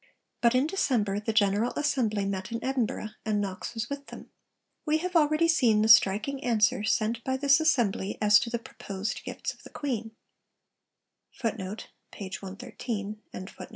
But in December the General Assembly met in Edinburgh, and Knox was with them. We have already seen the striking answer sent by this Assembly as to the proposed gifts of the Queen.